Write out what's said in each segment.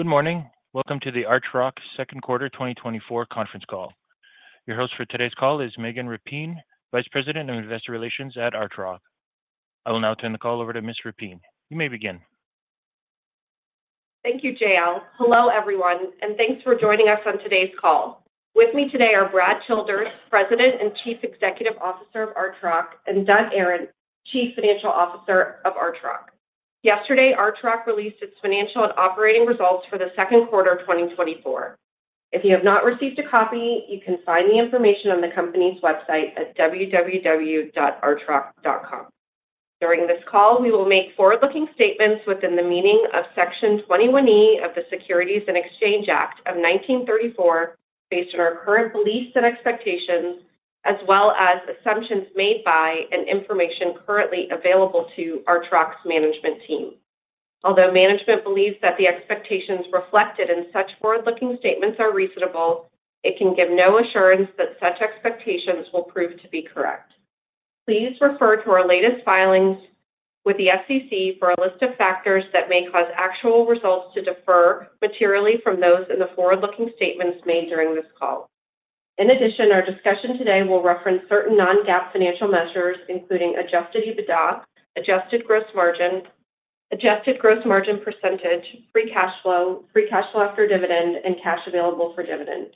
Good morning. Welcome to the Archrock second quarter 2024 conference call. Your host for today's call is Megan Repine, Vice President of Investor Relations at Archrock. I will now turn the call over to Ms. Repine. You may begin. Thank you, JL. Hello, everyone, and thanks for joining us on today's call. With me today are Brad Childers, President and Chief Executive Officer of Archrock, and Doug Aron, Chief Financial Officer of Archrock. Yesterday, Archrock released its financial and operating results for the second quarter of 2024. If you have not received a copy, you can find the information on the company's website at www.archrock.com. During this call, we will make forward-looking statements within the meaning of Section 21E of the Securities Exchange Act of 1934, based on our current beliefs and expectations, as well as assumptions made by and information currently available to Archrock's management team. Although management believes that the expectations reflected in such forward-looking statements are reasonable, it can give no assurance that such expectations will prove to be correct. Please refer to our latest filings with the SEC for a list of factors that may cause actual results to differ materially from those in the forward-looking statements made during this call. In addition, our discussion today will reference certain non-GAAP financial measures, including adjusted EBITDA, adjusted gross margin, adjusted gross margin percentage, free cash flow, free cash flow after dividend, and cash available for dividend.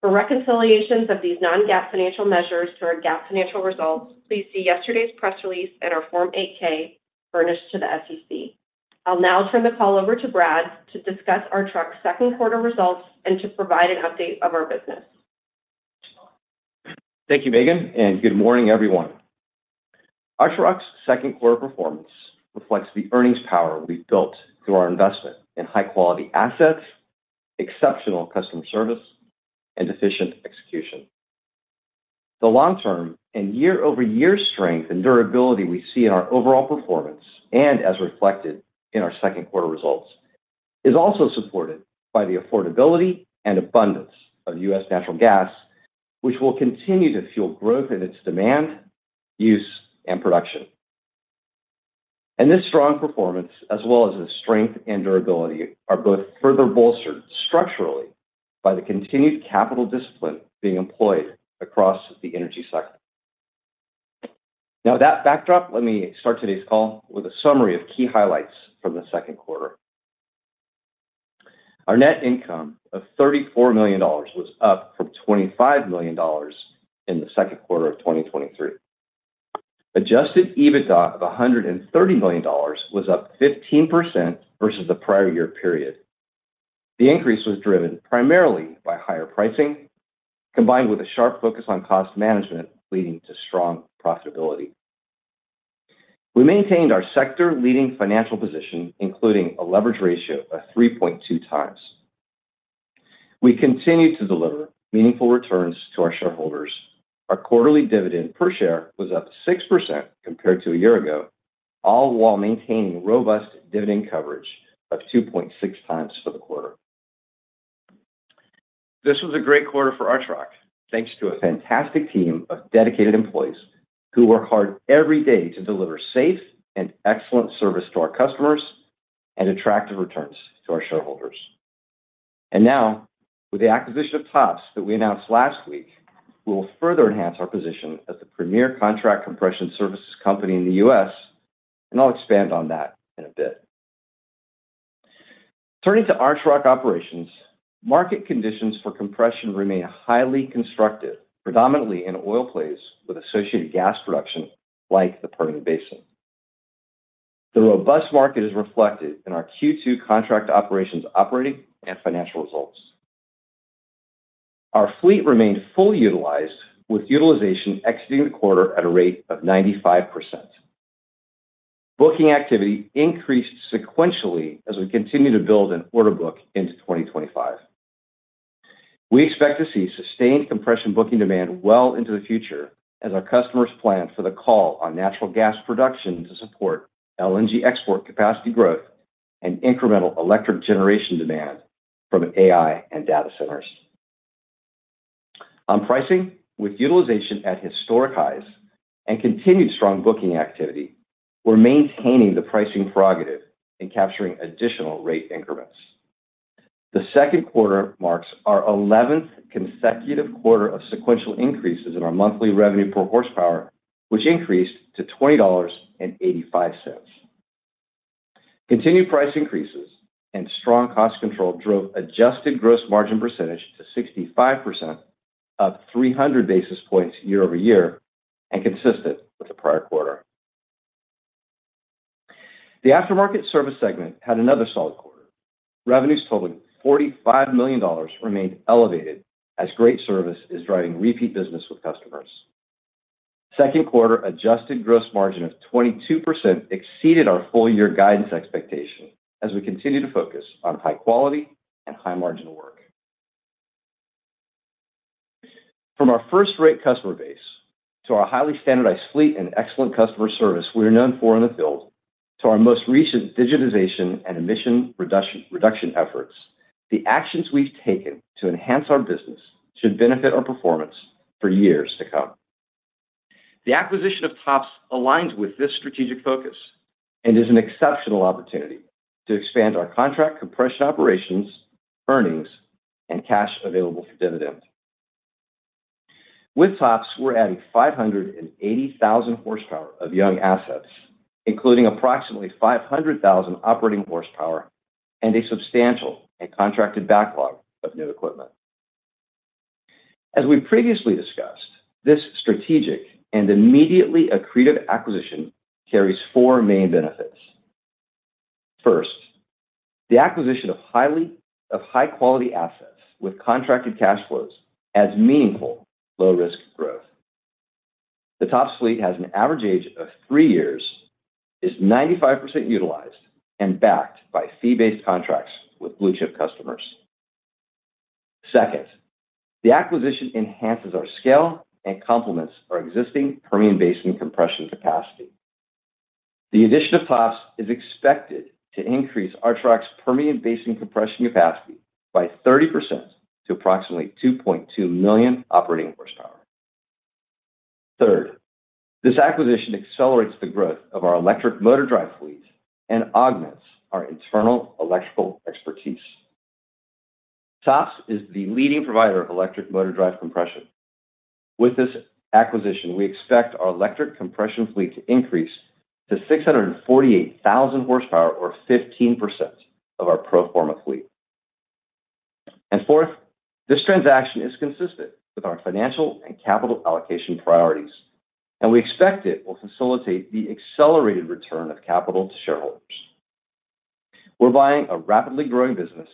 For reconciliations of these non-GAAP financial measures to our GAAP financial results, please see yesterday's press release and our Form 8-K furnished to the SEC. I'll now turn the call over to Brad to discuss Archrock's second quarter results and to provide an update of our business. Thank you, Megan, and good morning, everyone. Archrock's second quarter performance reflects the earnings power we've built through our investment in high-quality assets, exceptional customer service, and efficient execution. The long-term and year-over-year strength and durability we see in our overall performance, and as reflected in our second quarter results, is also supported by the affordability and abundance of U.S. natural gas, which will continue to fuel growth in its demand, use, and production. This strong performance, as well as its strength and durability, are both further bolstered structurally by the continued capital discipline being employed across the energy cycle. Now, with that backdrop, let me start today's call with a summary of key highlights from the second quarter. Our net income of $34 million was up from $25 million in the second quarter of 2023. Adjusted EBITDA of $130 million was up 15% versus the prior year period. The increase was driven primarily by higher pricing, combined with a sharp focus on cost management, leading to strong profitability. We maintained our sector-leading financial position, including a leverage ratio of 3.2 times. We continued to deliver meaningful returns to our shareholders. Our quarterly dividend per share was up 6% compared to a year ago, all while maintaining robust dividend coverage of 2.6 times for the quarter. This was a great quarter for Archrock, thanks to a fantastic team of dedicated employees who work hard every day to deliver safe and excellent service to our customers and attractive returns to our shareholders. Now, with the acquisition of TOPS that we announced last week, we will further enhance our position as the premier contract compression services company in the U.S., and I'll expand on that in a bit. Turning to Archrock operations, market conditions for compression remain highly constructive, predominantly in oil plays with associated gas production, like the Permian Basin. The robust market is reflected in our Q2 contract operations operating and financial results. Our fleet remained fully utilized, with utilization exiting the quarter at a rate of 95%. Booking activity increased sequentially as we continue to build an order book into 2025. We expect to see sustained compression booking demand well into the future as our customers plan for the call on natural gas production to support LNG export capacity growth and incremental electric generation demand from AI and data centers. On pricing, with utilization at historic highs and continued strong booking activity, we're maintaining the pricing prerogative in capturing additional rate increments. The second quarter marks our 11th consecutive quarter of sequential increases in our monthly revenue per horsepower, which increased to $20.85. Continued price increases and strong cost control drove adjusted gross margin percentage to 65%, up 300 basis points year-over-year and consistent with the prior quarter. The aftermarket service segment had another solid quarter. Revenues totaling $45 million remained elevated as great service is driving repeat business with customers. Second quarter adjusted gross margin of 22% exceeded our full year guidance expectation as we continue to focus on high quality and high-margin work. From our first-rate customer base, to our highly standardized fleet and excellent customer service we are known for in the field, to our most recent digitization and emission reduction efforts, the actions we've taken to enhance our business should benefit our performance for years to come... The acquisition of TOPS aligns with this strategic focus and is an exceptional opportunity to expand our contract compression operations, earnings, and cash available for dividends. With TOPS, we're adding 580,000 horsepower of young assets, including approximately 500,000 operating horsepower and a substantial and contracted backlog of new equipment. As we've previously discussed, this strategic and immediately accretive acquisition carries four main benefits. First, the acquisition of high-quality assets with contracted cash flows adds meaningful low-risk growth. The TOPS fleet has an average age of 3 years, is 95% utilized, and backed by fee-based contracts with blue-chip customers. Second, the acquisition enhances our scale and complements our existing Permian Basin compression capacity. The addition of TOPS is expected to increase Archrock's Permian Basin compression capacity by 30% to approximately 2.2 million operating horsepower. Third, this acquisition accelerates the growth of our electric motor drive fleet and augments our internal electrical expertise. TOPS is the leading provider of electric motor drive compression. With this acquisition, we expect our electric compression fleet to increase to 648,000 horsepower or 15% of our pro forma fleet. And fourth, this transaction is consistent with our financial and capital allocation priorities, and we expect it will facilitate the accelerated return of capital to shareholders. We're buying a rapidly growing business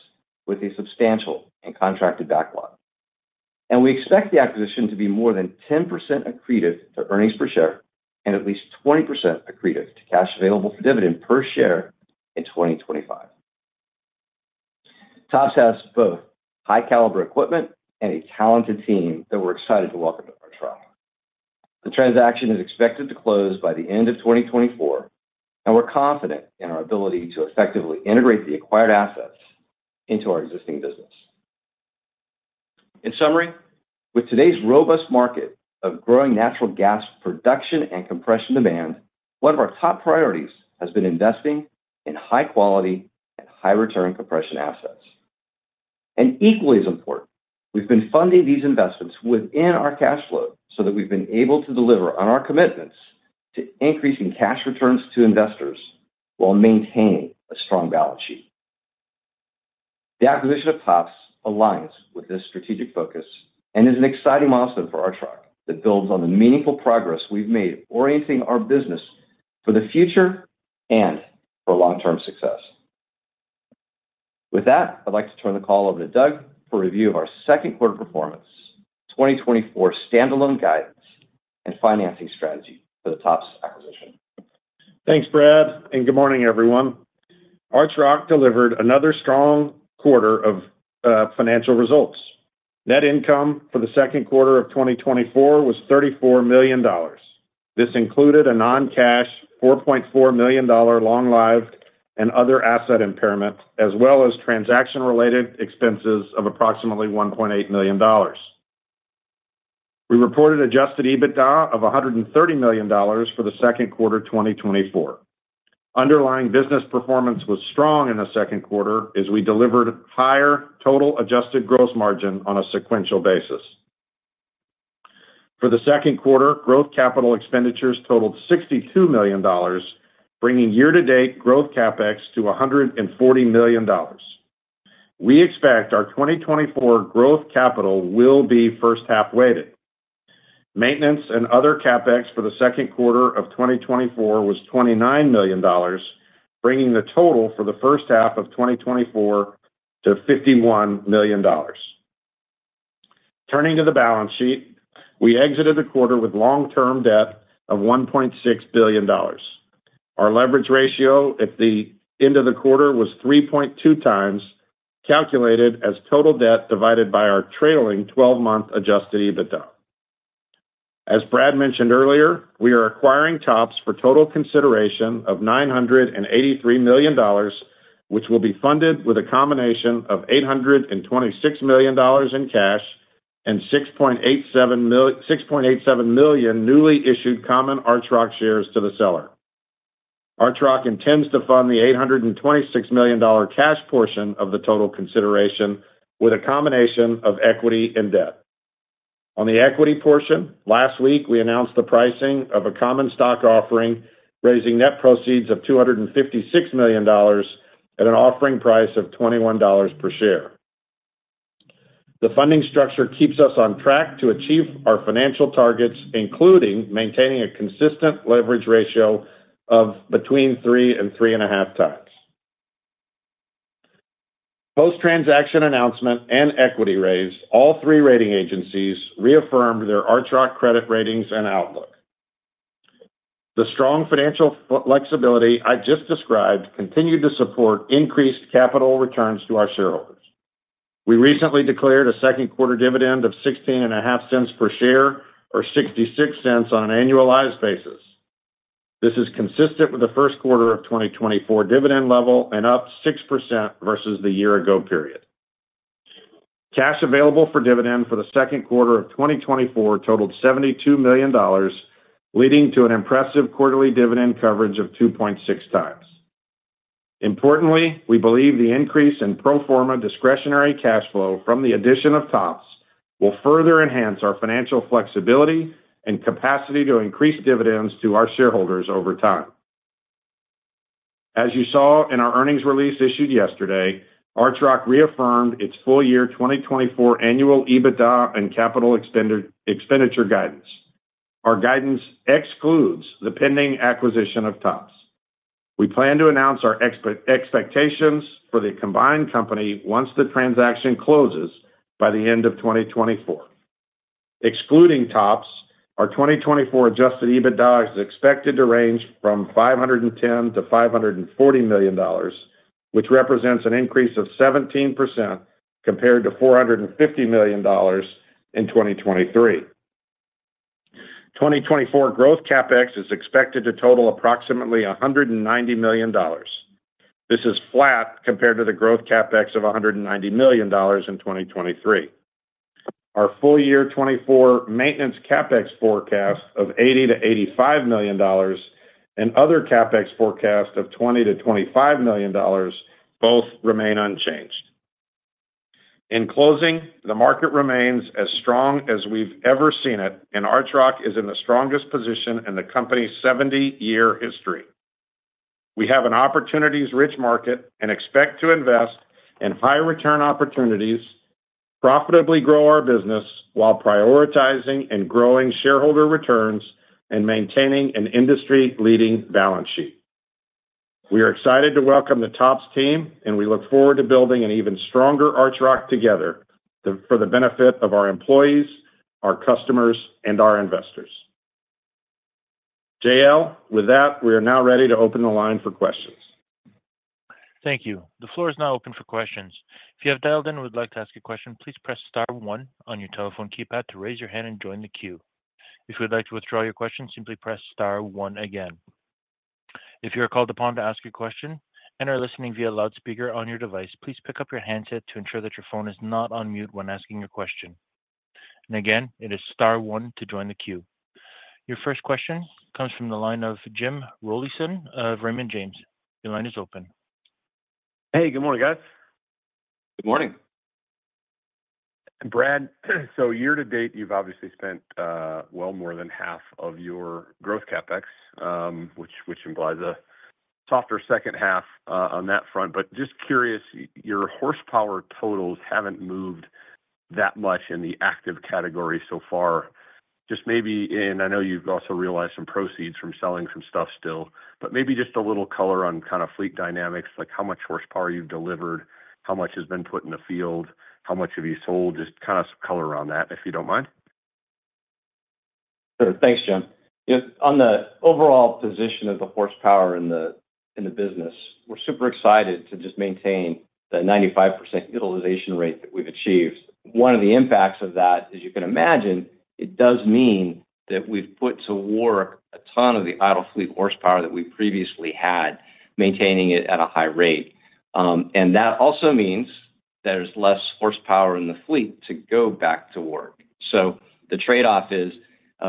with a substantial and contracted backlog, and we expect the acquisition to be more than 10% accretive to earnings per share and at least 20% accretive to cash available for dividend per share in 2025. TOPS has both high-caliber equipment and a talented team that we're excited to welcome to Archrock. The transaction is expected to close by the end of 2024, and we're confident in our ability to effectively integrate the acquired assets into our existing business. In summary, with today's robust market of growing natural gas production and compression demand, one of our top priorities has been investing in high quality and high return compression assets. Equally as important, we've been funding these investments within our cash flow so that we've been able to deliver on our commitments to increasing cash returns to investors while maintaining a strong balance sheet. The acquisition of TOPS aligns with this strategic focus and is an exciting milestone for Archrock that builds on the meaningful progress we've made orienting our business for the future and for long-term success. With that, I'd like to turn the call over to Doug for a review of our second quarter performance, 2024 standalone guidance, and financing strategy for the TOPS acquisition. Thanks, Brad, and good morning, everyone. Archrock delivered another strong quarter of financial results. Net income for the second quarter of 2024 was $34 million. This included a non-cash $4.4 million long-lived and other asset impairment, as well as transaction-related expenses of approximately $1.8 million. We reported adjusted EBITDA of $130 million for the second quarter of 2024. Underlying business performance was strong in the second quarter as we delivered higher total adjusted gross margin on a sequential basis. For the second quarter, growth capital expenditures totaled $62 million, bringing year-to-date growth CapEx to $140 million. We expect our 2024 growth capital will be first-half weighted. Maintenance and other CapEx for the second quarter of 2024 was $29 million, bringing the total for the first half of 2024 to $51 million. Turning to the balance sheet, we exited the quarter with long-term debt of $1.6 billion. Our leverage ratio at the end of the quarter was 3.2 times, calculated as total debt divided by our trailing twelve-month adjusted EBITDA. As Brad mentioned earlier, we are acquiring TOPS for total consideration of $983 million, which will be funded with a combination of $826 million in cash and 6.87 million newly issued common Archrock shares to the seller. Archrock intends to fund the $826 million cash portion of the total consideration with a combination of equity and debt. On the equity portion, last week, we announced the pricing of a common stock offering, raising net proceeds of $256 million at an offering price of $21 per share. The funding structure keeps us on track to achieve our financial targets, including maintaining a consistent leverage ratio of between 3 and 3.5 times. Post-transaction announcement and equity raise, all three rating agencies reaffirmed their Archrock credit ratings and outlook. The strong financial flexibility I just described continued to support increased capital returns to our shareholders. We recently declared a second quarter dividend of $0.165 per share, or $0.66 on an annualized basis. This is consistent with the first quarter of 2024 dividend level and up 6% versus the year-ago period.... Cash available for dividend for the second quarter of 2024 totaled $72 million, leading to an impressive quarterly dividend coverage of 2.6 times. Importantly, we believe the increase in pro forma discretionary cash flow from the addition of TOPS will further enhance our financial flexibility and capacity to increase dividends to our shareholders over time. As you saw in our earnings release issued yesterday, Archrock reaffirmed its full year 2024 annual EBITDA and capital expenditure guidance. Our guidance excludes the pending acquisition of TOPS. We plan to announce our expectations for the combined company once the transaction closes by the end of 2024. Excluding TOPS, our 2024 Adjusted EBITDA is expected to range from $510 million-$540 million, which represents an increase of 17% compared to $450 million in 2023. 2024 Growth CapEx is expected to total approximately $190 million. This is flat compared to the Growth CapEx of $190 million in 2023. Our full year 2024 Maintenance CapEx forecast of $80 million-$85 million and other CapEx forecast of $20 million-$25 million both remain unchanged. In closing, the market remains as strong as we've ever seen it, and Archrock is in the strongest position in the company's seventy-year history. We have an opportunities-rich market and expect to invest in high return opportunities, profitably grow our business while prioritizing and growing shareholder returns, and maintaining an industry-leading balance sheet. We are excited to welcome the TOPS team, and we look forward to building an even stronger Archrock together for the benefit of our employees, our customers, and our investors. J.L., with that, we are now ready to open the line for questions. Thank you. The floor is now open for questions. If you have dialed in and would like to ask a question, please press star one on your telephone keypad to raise your hand and join the queue. If you'd like to withdraw your question, simply press star one again. If you are called upon to ask a question and are listening via loudspeaker on your device, please pick up your handset to ensure that your phone is not on mute when asking your question. And again, it is star one to join the queue. Your first question comes from the line of Jim Rollyson of Raymond James. Your line is open. Hey, good morning, guys. Good morning. Brad, so year to date, you've obviously spent, well more than half of your growth CapEx, which implies a softer second half, on that front, but just curious, your horsepower totals haven't moved that much in the active category so far. Just maybe, and I know you've also realized some proceeds from selling some stuff still, but maybe just a little color on kind of fleet dynamics, like how much horsepower you've delivered, how much has been put in the field, how much have you sold? Just kind of some color around that, if you don't mind. Sure. Thanks, Jim. Yeah, on the overall position of the horsepower in the business, we're super excited to just maintain the 95% utilization rate that we've achieved. One of the impacts of that, as you can imagine, it does mean that we've put to work a ton of the idle fleet horsepower that we previously had, maintaining it at a high rate. And that also means there's less horsepower in the fleet to go back to work. So the trade-off is,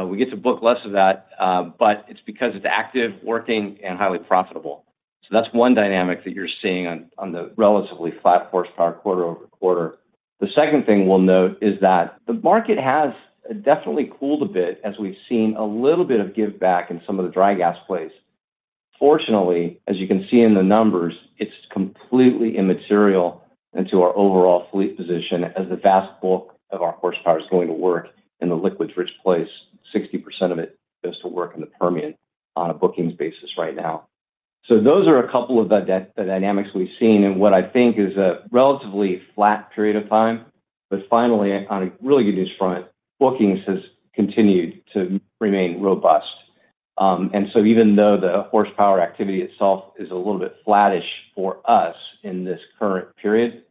we get to book less of that, but it's because it's active, working, and highly profitable. So that's one dynamic that you're seeing on the relatively flat horsepower quarter-over-quarter. The second thing we'll note is that the market has definitely cooled a bit as we've seen a little bit of give back in some of the dry gas plays. Fortunately, as you can see in the numbers, it's completely immaterial into our overall fleet position as the vast bulk of our horsepower is going to work in the liquids-rich plays. 60% of it goes to work in the Permian on a bookings basis right now. So those are a couple of the dynamics we've seen in what I think is a relatively flat period of time. But finally, on a really good news front, bookings has continued to remain robust. And so even though the horsepower activity itself is a little bit flattish for us in this current period,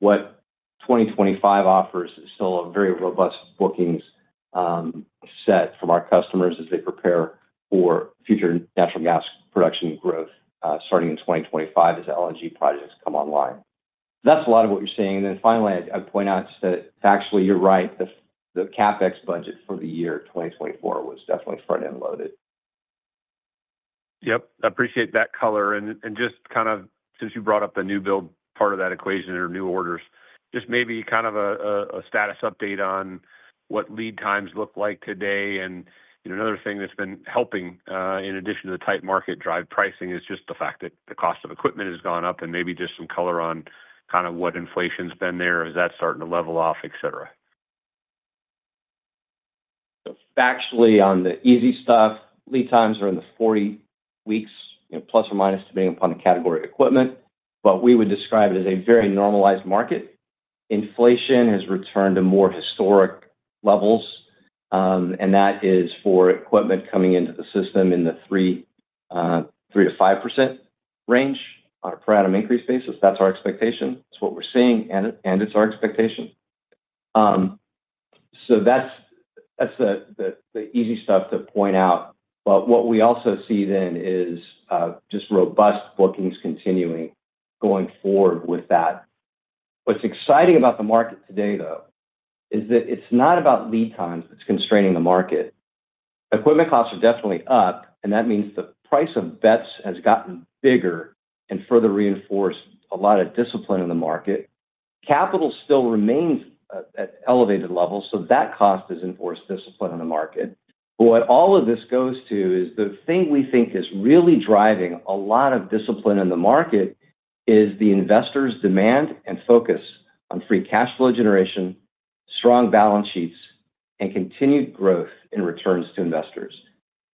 what 2025 offers is still a very robust bookings set from our customers as they prepare for future natural gas production growth, starting in 2025 as the LNG projects come online. That's a lot of what you're seeing. And then finally, I'd point out that factually, you're right, the CapEx budget for the year 2024 was definitely front-end loaded. Yep, I appreciate that color. And just kind of, since you brought up the new build part of that equation or new orders, just maybe kind of a status update on what lead times look like today. And, you know, another thing that's been helping, in addition to the tight market drive pricing, is just the fact that the cost of equipment has gone up and maybe just some color on kind of what inflation's been there, is that starting to level off, et cetera. So factually, on the easy stuff, lead times are in the 40 weeks, you know, plus or minus, depending upon the category of equipment, but we would describe it as a very normalized market. Inflation has returned to more historic levels, and that is for equipment coming into the system in the 3%-5% range on a per item increase basis. That's our expectation. It's what we're seeing, and it's our expectation. So that's the easy stuff to point out. But what we also see then is just robust bookings continuing going forward with that. What's exciting about the market today, though, is that it's not about lead times that's constraining the market. Equipment costs are definitely up, and that means the price of bets has gotten bigger and further reinforce a lot of discipline in the market. Capital still remains at elevated levels, so that cost has enforced discipline in the market. But what all of this goes to is the thing we think is really driving a lot of discipline in the market is the investors' demand and focus on free cash flow generation, strong balance sheets, and continued growth in returns to investors.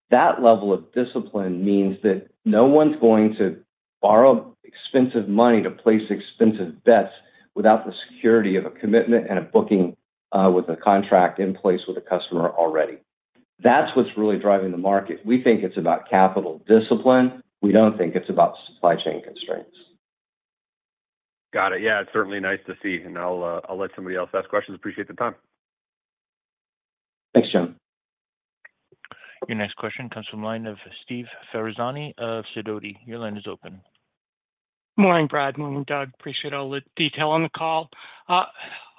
That level of discipline means that no one's going to borrow expensive money to place expensive bets without the security of a commitment and a booking with a contract in place with a customer already. That's what's really driving the market. We think it's about capital discipline. We don't think it's about supply chain constraints. Got it. Yeah, it's certainly nice to see, and I'll let somebody else ask questions. Appreciate the time. Thanks, Jim. Your next question comes from the line of Steve Ferazani of Sidoti. Your line is open. Morning, Brad, morning, Doug. Appreciate all the detail on the call.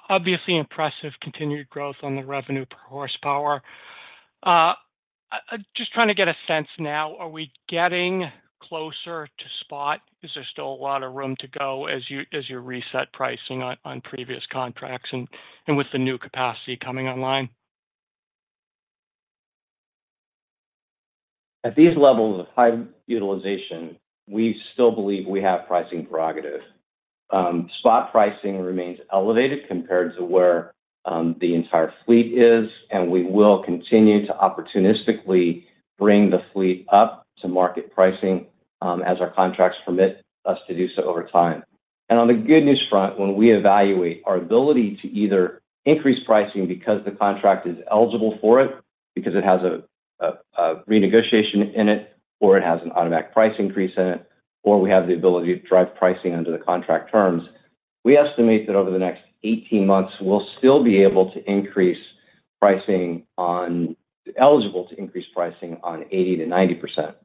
Obviously, impressive continued growth on the revenue per horsepower. I'm just trying to get a sense now, are we getting closer to spot? Is there still a lot of room to go as you reset pricing on previous contracts, and with the new capacity coming online? At these levels of high utilization, we still believe we have pricing prerogative. Spot pricing remains elevated compared to where the entire fleet is, and we will continue to opportunistically bring the fleet up to market pricing, as our contracts permit us to do so over time. And on the good news front, when we evaluate our ability to either increase pricing because the contract is eligible for it, because it has a renegotiation in it, or it has an automatic price increase in it, or we have the ability to drive pricing under the contract terms, we estimate that over the next 18 months, we'll still be able to increase pricing on eligible to increase pricing on 80%-90%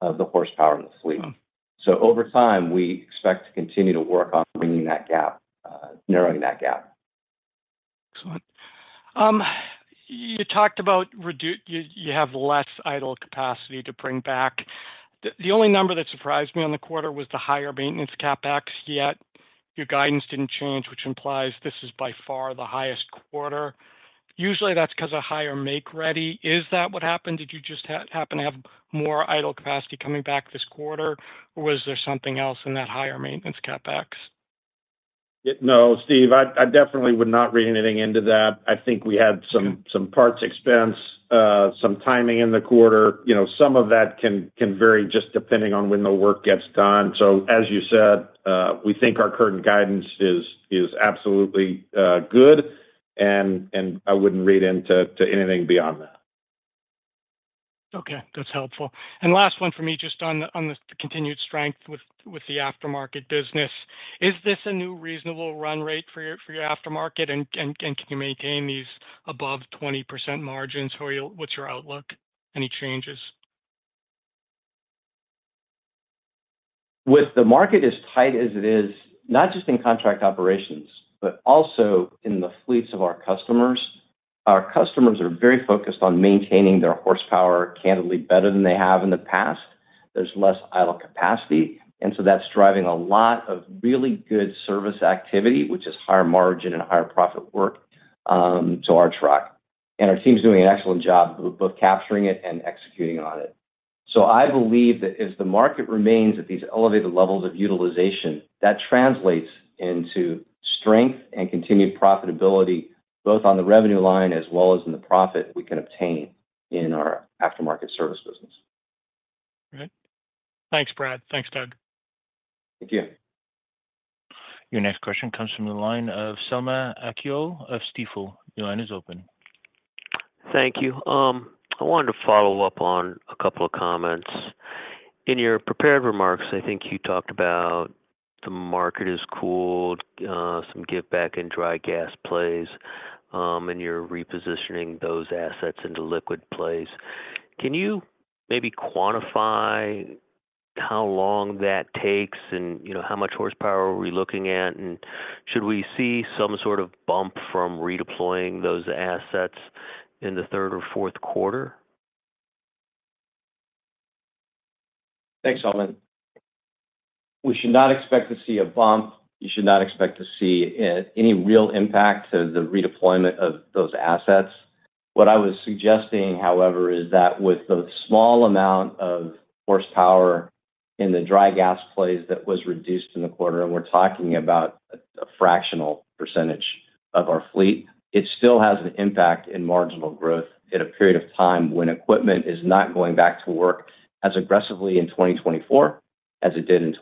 of the horsepower in the fleet. So over time, we expect to continue to work on bringing that gap, narrowing that gap. Excellent. You talked about you have less idle capacity to bring back. The only number that surprised me on the quarter was the higher maintenance CapEx, yet your guidance didn't change, which implies this is by far the highest quarter. Usually, that's 'cause of higher make ready. Is that what happened? Did you just happen to have more idle capacity coming back this quarter, or was there something else in that higher maintenance CapEx? Yeah, no, Steve, I, I definitely would not read anything into that. I think we had some- Okay... some parts expense, some timing in the quarter. You know, some of that can vary just depending on when the work gets done. So, as you said, we think our current guidance is absolutely good, and I wouldn't read into anything beyond that. Okay, that's helpful. And last one for me, just on the continued strength with the aftermarket business. Is this a new reasonable run rate for your aftermarket, and can you maintain these above 20% margins? Or what's your outlook? Any changes? With the market as tight as it is, not just in contract operations, but also in the fleets of our customers, our customers are very focused on maintaining their horsepower candidly better than they have in the past. There's less idle capacity, and so that's driving a lot of really good service activity, which is higher margin and higher profit work to Archrock. Our team's doing an excellent job both capturing it and executing on it. I believe that as the market remains at these elevated levels of utilization, that translates into strength and continued profitability, both on the revenue line as well as in the profit we can obtain in our aftermarket service business. All right. Thanks, Brad. Thanks, Doug. Thank you. Your next question comes from the line of Selman Akyol of Stifel. Your line is open. Thank you. I wanted to follow up on a couple of comments. In your prepared remarks, I think you talked about the market has cooled, some giveback in dry gas plays, and you're repositioning those assets into liquid plays. Can you maybe quantify how long that takes, and, you know, how much horsepower are we looking at? And should we see some sort of bump from redeploying those assets in the third or fourth quarter? Thanks, Selman. We should not expect to see a bump. You should not expect to see any real impact to the redeployment of those assets. What I was suggesting, however, is that with the small amount of horsepower in the dry gas plays that was reduced in the quarter, and we're talking about a fractional percentage of our fleet, it still has an impact in marginal growth at a period of time when equipment is not going back to work as aggressively in 2024 as it did in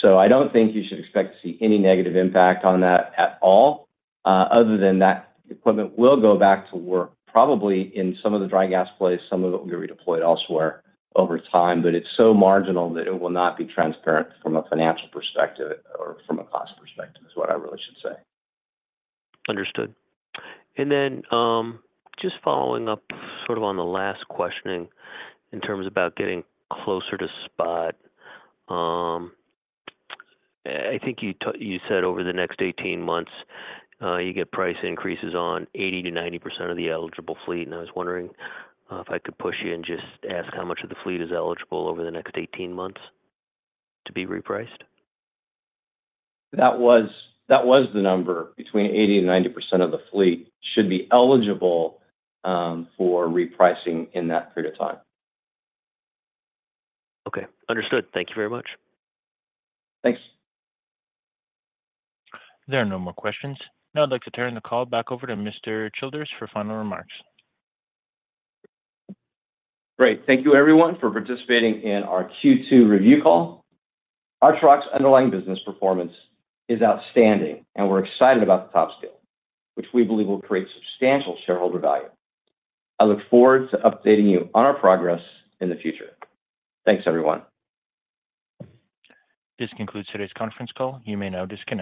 2023. So I don't think you should expect to see any negative impact on that at all, other than that equipment will go back to work, probably in some of the dry gas plays. Some of it will be redeployed elsewhere over time, but it's so marginal that it will not be transparent from a financial perspective or from a cost perspective, is what I really should say. Understood. Just following up sort of on the last questioning in terms about getting closer to spot. I think you said over the next 18 months, you get price increases on 80%-90% of the eligible fleet, and I was wondering, if I could push you and just ask how much of the fleet is eligible over the next 18 months to be repriced? That was, that was the number. Between 80% and 90% of the fleet should be eligible for repricing in that period of time. Okay, understood. Thank you very much. Thanks. There are no more questions. Now, I'd like to turn the call back over to Mr. Childers for final remarks. Great. Thank you, everyone, for participating in our Q2 review call. Archrock's underlying business performance is outstanding, and we're excited about the TOPS scale, which we believe will create substantial shareholder value. I look forward to updating you on our progress in the future. Thanks, everyone. This concludes today's conference call. You may now disconnect.